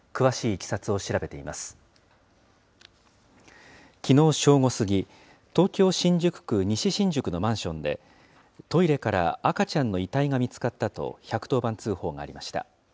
きのう正午過ぎ、東京・新宿区西新宿のマンションで、トイレから赤ちゃんの遺体が見つかったと、１１０番通報がありました。